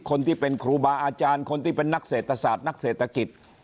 คนที่เป็นครูบาอาจารย์คนที่เป็นนักเศรษฐศาสตร์นักเศรษฐกิจ